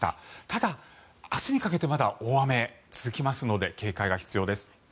ただ、明日にかけてまだ大雨が続きますので警戒が必要です。